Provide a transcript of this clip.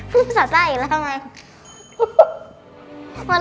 พูดภาษาจ้าอีกแล้วทำไม